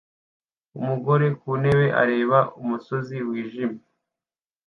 Umugore ku ntebe areba umusozi wijimye